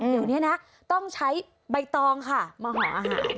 เดี๋ยวนี้นะต้องใช้ใบตองค่ะมาห่ออาหาร